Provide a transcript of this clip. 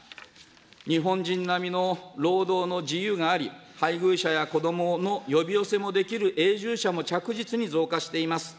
日本人並みの労働の自由があり、配偶者や子どもの呼び寄せもできる永住者も着実に増加しています。